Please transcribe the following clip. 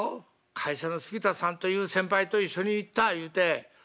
会社の杉田さんという先輩と一緒に行ったいうて。